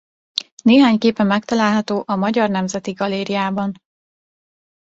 Néhány képe megtalálható a Magyar Nemzeti Galériában.